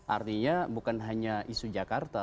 artinya bukan hanya isu jakarta